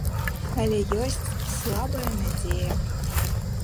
Але ёсць слабая надзея.